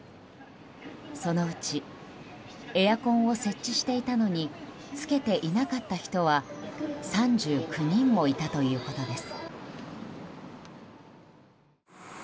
そのうちエアコンを設置していたのにつけていなかった人は３９人もいたということです。